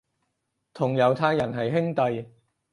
同猶太人係兄弟